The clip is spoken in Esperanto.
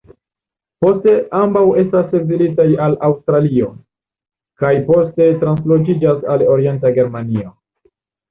Poste, ambaŭ estas ekzilitaj al Aŭstralio, kaj poste translokiĝas al Orienta Germanio.